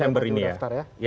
sebelum dia mendaftar ya